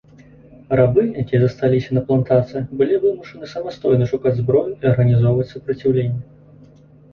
Рабы, якія засталіся на плантацыях, былі вымушаны самастойна шукаць зброю і арганізоўваць супраціўленне.